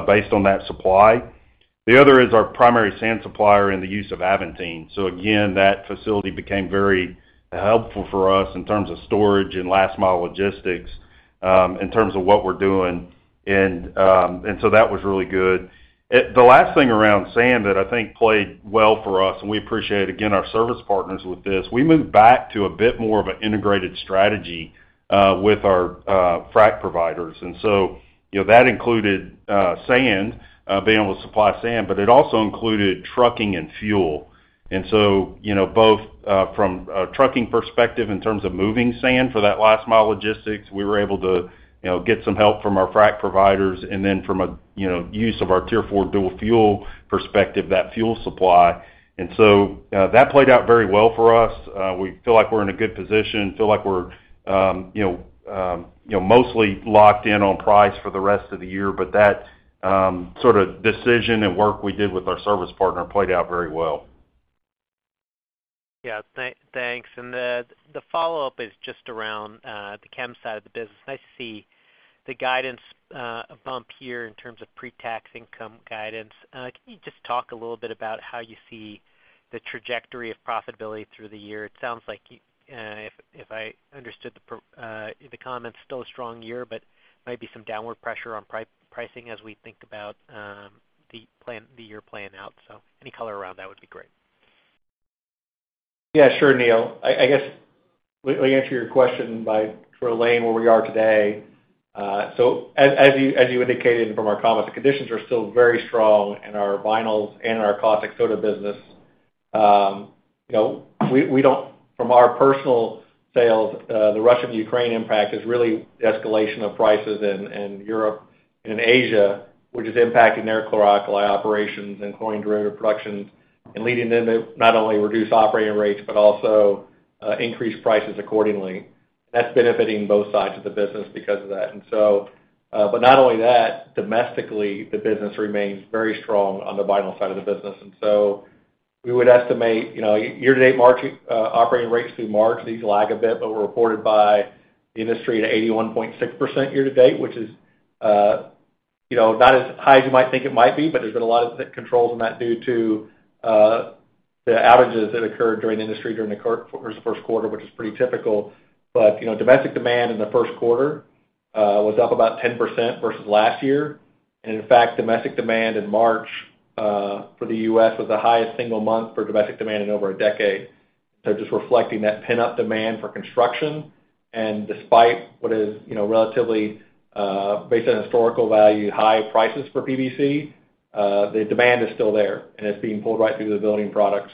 based on that supply. The other is our primary sand supplier and the use of Aventus. Again, that facility became very helpful for us in terms of storage and last mile logistics in terms of what we're doing, and so that was really good. The last thing around sand that I think played well for us, and we appreciate again our service partners with this. We moved back to a bit more of an integrated strategy with our frack providers. You know, that included sand being able to supply sand, but it also included trucking and fuel. You know, both from a trucking perspective in terms of moving sand for that last mile logistics, we were able to, you know, get some help from our frack providers and then from a, you know, use of our Tier 4 dual fuel perspective, that fuel supply. That played out very well for us. We feel like we're in a good position, you know, mostly locked in on price for the rest of the year. That sort of decision and work we did with our service partner played out very well. Yeah. Thanks. The follow-up is just around the chem side of the business. I see the guidance bump here in terms of pre-tax income guidance. Can you just talk a little bit about how you see the trajectory of profitability through the year? It sounds like you, if I understood the comments, still a strong year, but might be some downward pressure on pricing as we think about the plan, the year playing out. Any color around that would be great. Yeah, sure, Neil. I guess, let me answer your question by sort of laying where we are today. So as you indicated from our comments, the conditions are still very strong in our vinyls and our caustic soda business. You know, from our personal sales, the Russia and Ukraine impact is really escalation of prices in Europe and Asia, which is impacting their chlor-alkali operations and chlorine derivative productions, and leading them to not only reduce operating rates but also increase prices accordingly. That's benefiting both sides of the business because of that. Not only that, domestically the business remains very strong on the vinyl side of the business. We would estimate, you know, year-to-date margin, operating rates through March. These lag a bit, but were reported by the industry to 81.6% year-to-date, which is, you know, not as high as you might think it might be. There's been a lot of controls in that due to the outages that occurred in the industry during the first quarter, which is pretty typical. Domestic demand in the first quarter was up about 10% versus last year. In fact, domestic demand in March for the U.S. was the highest single month for domestic demand in over a decade. Just reflecting that pent-up demand for construction and despite what is, you know, relatively, based on historical value, high prices for PVC, the demand is still there, and it's being pulled right through the building products.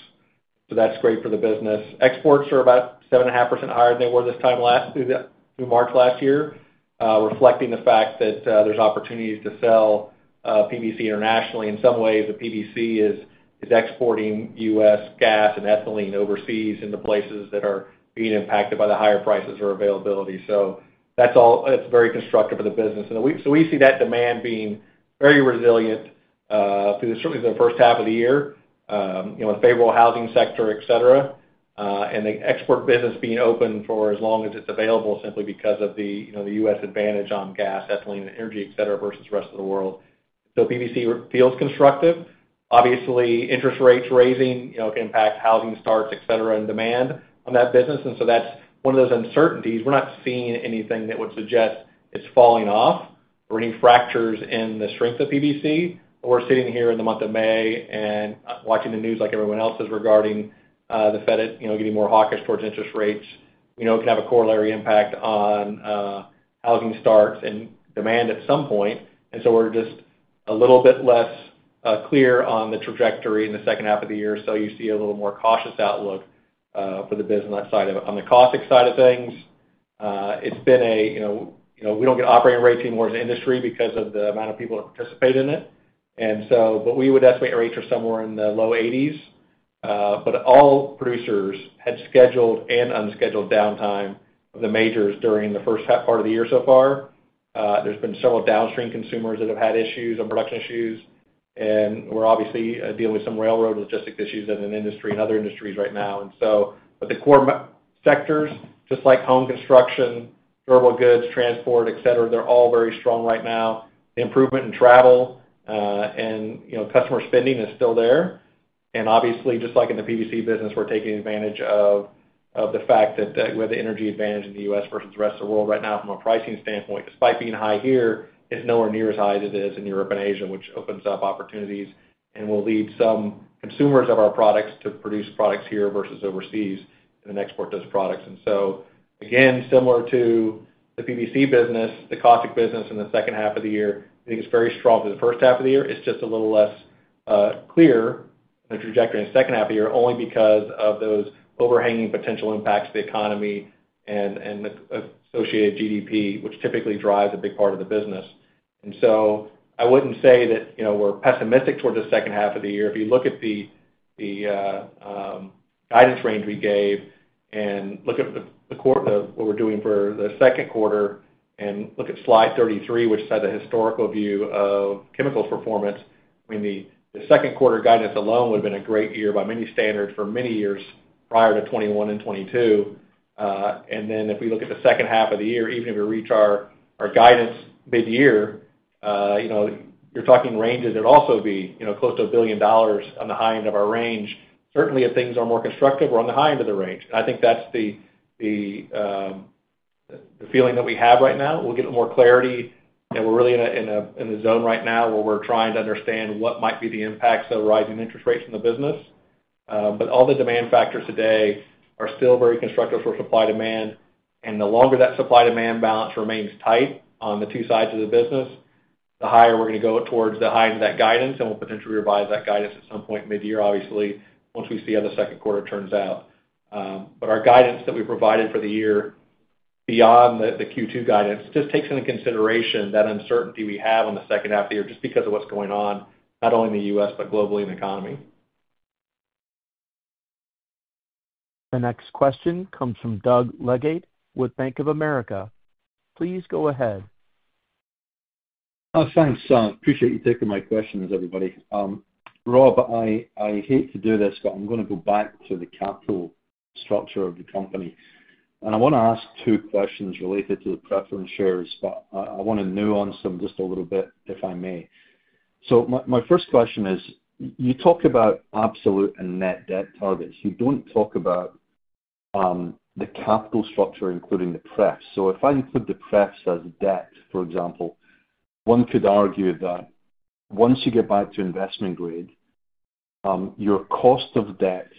That's great for the business. Exports are about 7.5% higher than they were this time last year through March last year, reflecting the fact that, there's opportunities to sell, PVC internationally. In some ways, the PVC is exporting U.S. gas and ethylene overseas into places that are being impacted by the higher prices or availability. That's all, that's very constructive for the business. We see that demand being very resilient through certainly the first half of the year, you know, a favorable housing sector, et cetera, and the export business being open for as long as it's available simply because of the, you know, the U.S. advantage on gas, ethylene, and energy, et cetera, versus the rest of the world. PVC feels constructive. Obviously, interest rates rising, you know, can impact housing starts, et cetera, and demand on that business. That's one of those uncertainties. We're not seeing anything that would suggest it's falling off or any fractures in the strength of PVC. We're sitting here in the month of May and watching the news like everyone else is regarding the Fed, you know, getting more hawkish towards interest rates. We know it can have a corollary impact on housing starts and demand at some point. We're just a little bit less clear on the trajectory in the second half of the year. You see a little more cautious outlook for the business side of it. On the caustic side of things, it's been, you know, we don't get operating rates anymore as an industry because of the amount of people that participate in it. But we would estimate our rates are somewhere in the low 80s%. But all producers had scheduled and unscheduled downtime of the majors during the first half part of the year so far. There's been several downstream consumers that have had issues and production issues, and we're obviously dealing with some railroad logistics issues in an industry and other industries right now. The core sectors, just like home construction, durable goods, transport, et cetera, they're all very strong right now. The improvement in travel and, you know, customer spending is still there. Obviously just like in the PVC business, we're taking advantage of the fact that we have the energy advantage in the U.S. versus the rest of the world right now from a pricing standpoint. Despite being high here, it's nowhere near as high as it is in Europe and Asia, which opens up opportunities and will lead some consumers of our products to produce products here versus overseas and then export those products. Again, similar to the PVC business, the caustic business in the second half of the year, I think it's very strong for the first half of the year. It's just a little less clear the trajectory in the second half of the year only because of those overhanging potential impacts of the economy and the associated GDP, which typically drives a big part of the business. I wouldn't say that, you know, we're pessimistic towards the second half of the year. If you look at the guidance range we gave and look at what we're doing for the second quarter, and look at slide 33, which has a historical view of chemicals performance. I mean, the second quarter guidance alone would have been a great year by many standards for many years prior to 2021 and 2022. If we look at the second half of the year, even if we reach our guidance mid-year, you know, you're talking ranges that'll also be, you know, close to $1 billion on the high end of our range. Certainly, if things are more constructive, we're on the high end of the range. I think that's the feeling that we have right now. We'll get more clarity, and we're really in a zone right now where we're trying to understand what might be the impacts of rising interest rates in the business. All the demand factors today are still very constructive for supply-demand. The longer that supply-demand balance remains tight on the two sides of the business, the higher we're gonna go towards the high end of that guidance, and we'll potentially revise that guidance at some point mid-year, obviously, once we see how the second quarter turns out. Our guidance that we provided for the year beyond the Q2 guidance just takes into consideration that uncertainty we have on the second half of the year just because of what's going on, not only in the U.S., but globally in the economy. The next question comes from Doug Leggate with Bank of America. Please go ahead. Thanks. Appreciate you taking my questions, everybody. Rob, I hate to do this, but I'm gonna go back to the capital structure of the company. I wanna ask two questions related to the preference shares, but I wanna nuance them just a little bit, if I may. My first question is, you talk about absolute and net debt targets. You don't talk about the capital structure, including the pref. If I include the prefs as debt, for example, one could argue that once you get back to investment grade, your cost of debt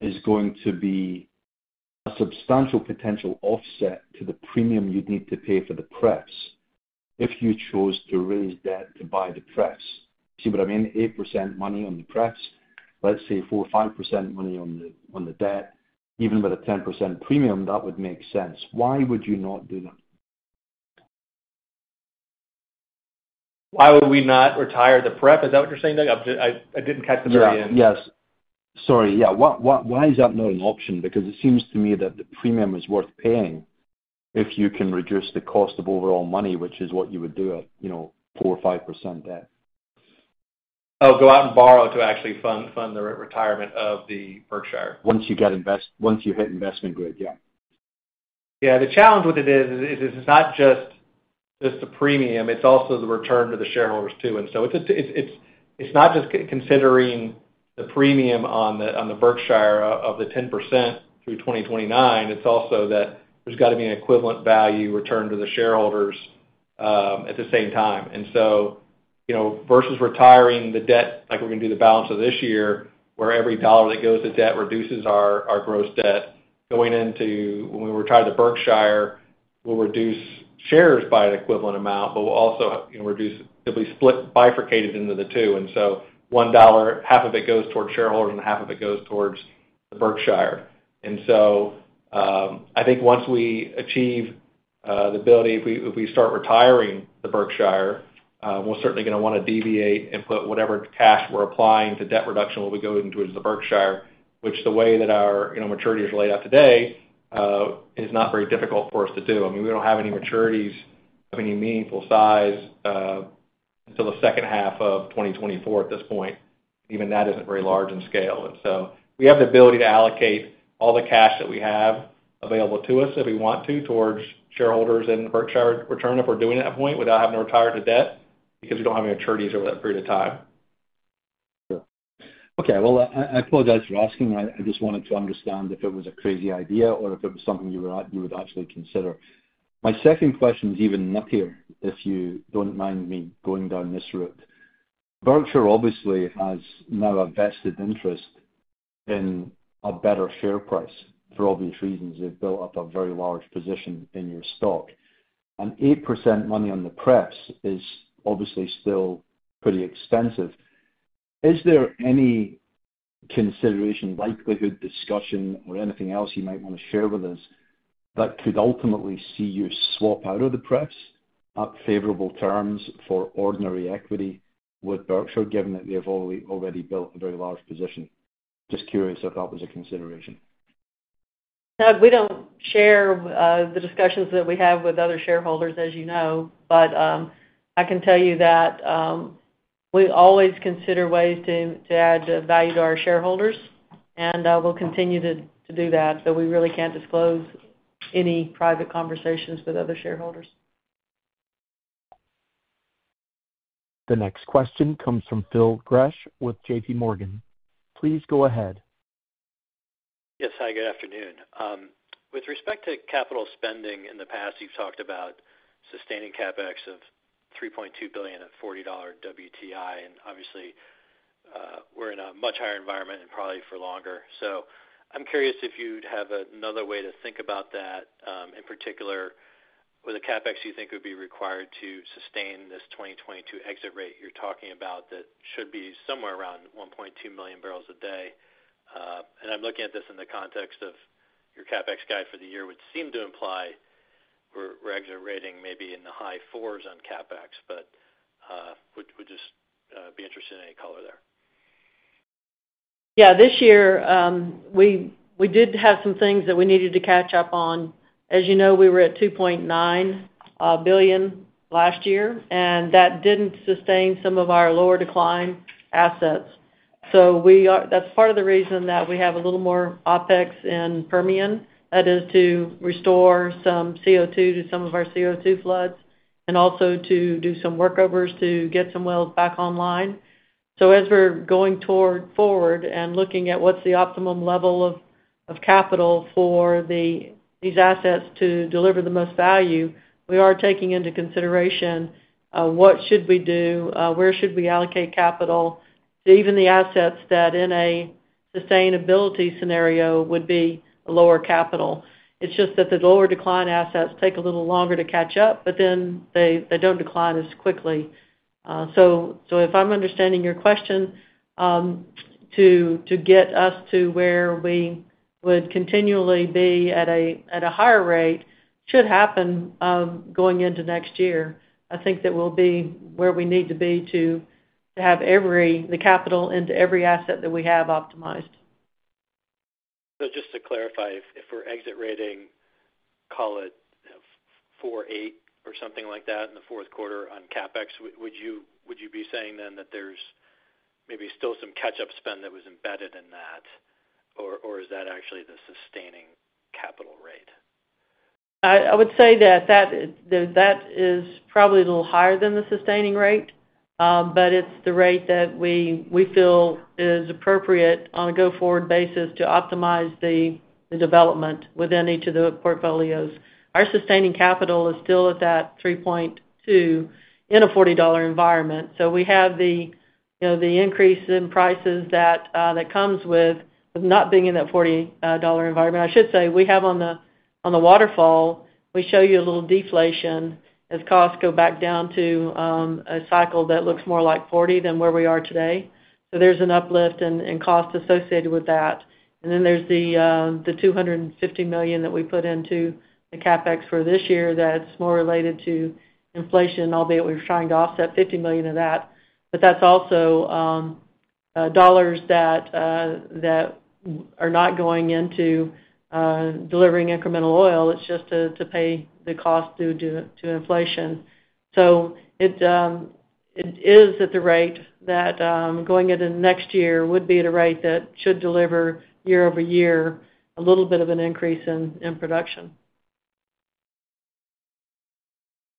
is going to be a substantial potential offset to the premium you'd need to pay for the prefs if you chose to raise debt to buy the prefs. See what I mean? 8% money on the prefs. Let's say 4% or 5% money on the debt. Even with a 10% premium, that would make sense. Why would you not do that? Why would we not retire the preferred? Is that what you're saying, Doug? I didn't catch the very end. Sorry. Why is that not an option? Because it seems to me that the premium is worth paying if you can reduce the cost of overall money, which is what you would do at, you know, 4 or 5% debt. Oh, go out and borrow to actually fund the retirement of the Berkshire. Once you hit investment grade. Yeah. The challenge with it is it's not just the premium, it's also the return to the shareholders too. It's not just considering the premium on the Berkshire of the 10% through 2029, it's also that there's gotta be an equivalent value returned to the shareholders at the same time. You know, versus retiring the debt like we're gonna do the balance of this year, where every $1 that goes to debt reduces our gross debt, going into when we retire the Berkshire, we'll reduce shares by an equivalent amount, but we'll also, you know, reduce simply split bifurcated into the two. $1, half of it goes towards shareholders and half of it goes towards the Berkshire. I think once we achieve the ability, if we start retiring the Berkshire, we're certainly gonna wanna deviate and put whatever cash we're applying to debt reduction will be going towards the Berkshire, which the way that our, you know, maturity is laid out today, is not very difficult for us to do. I mean, we don't have any maturities of any meaningful size until the second half of 2024 at this point. Even that isn't very large in scale. We have the ability to allocate all the cash that we have available to us if we want to, towards shareholders and Berkshire return if we're doing it at that point without having to retire the debt because we don't have any maturities over that period of time. Sure. Okay. Well, I apologize for asking. I just wanted to understand if it was a crazy idea or if it was something you would actually consider. My second question is even nuttier, if you don't mind me going down this route. Berkshire obviously has now a vested interest in a better share price for obvious reasons. They've built up a very large position in your stock. 8% money on the prefs is obviously still pretty expensive. Is there any consideration, likelihood, discussion or anything else you might wanna share with us that could ultimately see you swap out of the prefs at favorable terms for ordinary equity with Berkshire, given that they've already built a very large position? Just curious if that was a consideration. Doug, we don't share the discussions that we have with other shareholders, as you know. I can tell you that we always consider ways to add value to our shareholders, and we'll continue to do that, but we really can't disclose any private conversations with other shareholders. The next question comes from Phil Gresh with J.P. Morgan. Please go ahead. Yes. Hi, good afternoon. With respect to capital spending in the past, you've talked about sustaining CapEx of $3.2 billion at $40 WTI. Obviously, we're in a much higher environment and probably for longer. I'm curious if you'd have another way to think about that, in particular, with the CapEx you think would be required to sustain this 2022 exit rate you're talking about that should be somewhere around 1.2 million barrels a day. I'm looking at this in the context of your CapEx guide for the year would seem to imply we're exit rate maybe in the high fours on CapEx. Would just be interested in any color there. Yeah, this year, we did have some things that we needed to catch up on. As you know, we were at $2.9 billion last year, and that didn't sustain some of our lower decline assets. That's part of the reason that we have a little more OpEx in Permian. That is to restore some CO2 to some of our CO2 floods and also to do some workovers to get some wells back online. As we're going forward and looking at what's the optimum level of capital for these assets to deliver the most value, we are taking into consideration what should we do, where should we allocate capital to even the assets that in a sustainability scenario would be lower capital. It's just that the lower decline assets take a little longer to catch up, but then they don't decline as quickly. If I'm understanding your question, to get us to where we would continually be at a higher rate should happen, going into next year. I think that we'll be where we need to be to have the capital into every asset that we have optimized. Just to clarify, if we're exit rate, call it 4.8 or something like that in the fourth quarter on CapEx, would you be saying then that there's maybe still some catch-up spend that was embedded in that? Or is that actually the sustaining capital rate? I would say that is probably a little higher than the sustaining rate. It's the rate that we feel is appropriate on a go-forward basis to optimize the development within each of the portfolios. Our sustaining capital is still at that 3.2 in a $40 environment. We have the increase in prices that comes with not being in that $40 environment. I should say, we have on the waterfall, we show you a little deflation as costs go back down to a cycle that looks more like $40 than where we are today. There's an uplift and cost associated with that. There's the $250 million that we put into the CapEx for this year that's more related to inflation, albeit we've tried to offset $50 million of that. That's also dollars that are not going into delivering incremental oil. It's just to pay the cost due to inflation. It is at the rate that going into next year would be at a rate that should deliver year-over-year, a little bit of an increase in production.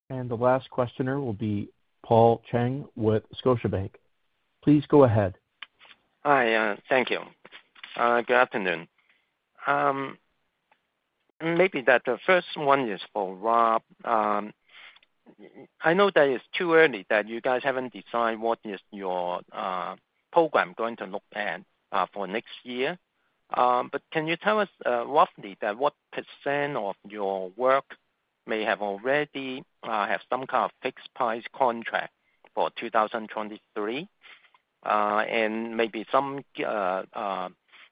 The last questioner will be Paul Cheng with Scotiabank. Please go ahead. Hi, thank you. Good afternoon. Maybe that's the first one for Rob. I know that it's too early that you guys haven't decided what your program is going to look like for next year. But can you tell us roughly what percent of your work may already have some kind of fixed price contract for 2023? And maybe some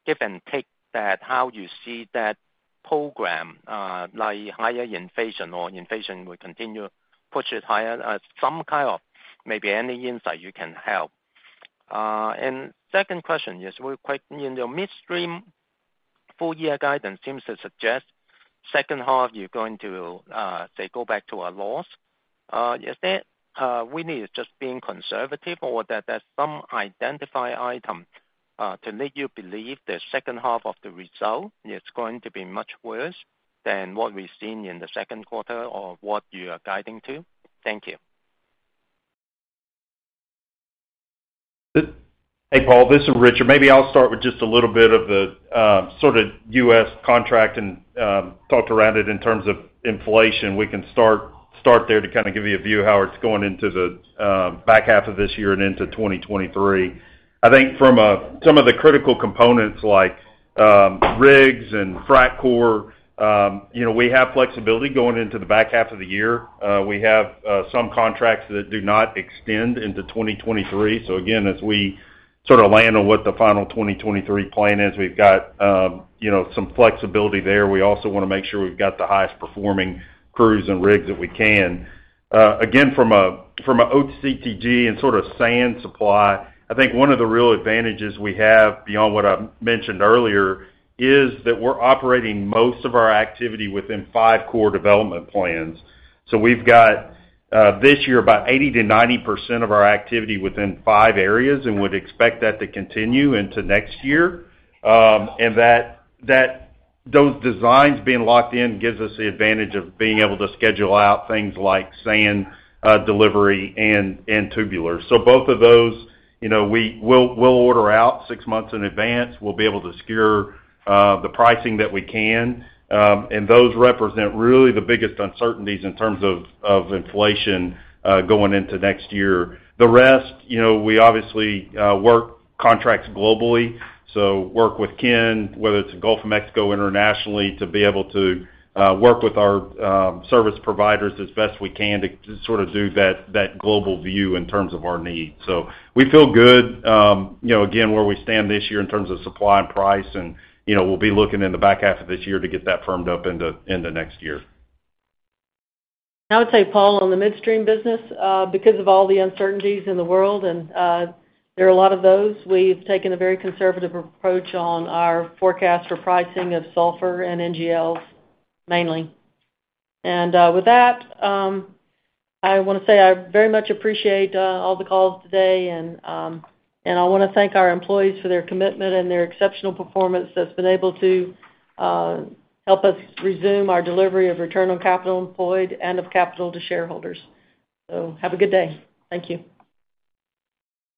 give and take on how you see that program, like higher inflation or if inflation will continue to push it higher. Some kind of maybe any insight you can help. Second question is real quick. In your midstream full-year guidance seems to suggest second half you're going to go back to a loss. Is that we're just being conservative or that there's some identified item to make you believe the second half of the result is going to be much worse than what we've seen in the second quarter or what you are guiding to? Thank you. Hey, Paul, this is Richard. Maybe I'll start with just a little bit of the sort of U.S. contract and talk around it in terms of inflation. We can start there to kind of give you a view how it's going into the back half of this year and into 2023. I think from some of the critical components like rigs and frac crew, you know, we have flexibility going into the back half of the year. We have some contracts that do not extend into 2023. So again, as we sort of land on what the final 2023 plan is, we've got, you know, some flexibility there. We also wanna make sure we've got the highest performing crews and rigs that we can. Again, from a OCTG and sort of sand supply, I think one of the real advantages we have beyond what I mentioned earlier is that we're operating most of our activity within five core development plans. We've got this year about 80%-90% of our activity within five areas and would expect that to continue into next year. That those designs being locked in gives us the advantage of being able to schedule out things like sand delivery and tubular. Both of those, you know, we'll order out six months in advance. We'll be able to secure the pricing that we can. Those represent really the biggest uncertainties in terms of inflation going into next year. The rest, you know, we obviously work contracts globally. Work with Ken, whether it's Gulf of Mexico internationally, to be able to work with our service providers as best we can to sort of do that global view in terms of our needs. We feel good, you know, again, where we stand this year in terms of supply and price and, you know, we'll be looking in the back half of this year to get that firmed up into next year. I would say, Paul, on the midstream business, because of all the uncertainties in the world, and there are a lot of those, we've taken a very conservative approach on our forecast for pricing of sulfur and NGLs mainly. With that, I wanna say I very much appreciate all the calls today and I wanna thank our employees for their commitment and their exceptional performance that's been able to help us resume our delivery of return on capital employed and of capital to shareholders. Have a good day. Thank you.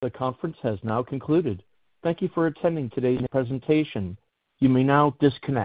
The conference has now concluded. Thank you for attending today's presentation. You may now disconnect.